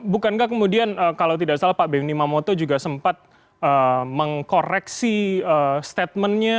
bukankah kemudian kalau tidak salah pak benny mamoto juga sempat mengkoreksi statementnya